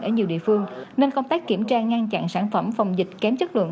ở nhiều địa phương nên công tác kiểm tra ngăn chặn sản phẩm phòng dịch kém chất lượng